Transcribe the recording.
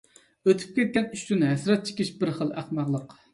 ئۆتۈپ كەتكەن ئىش ئۈچۈن ھەسرەت چېكىش بىر خىل ئەخمەقلىق.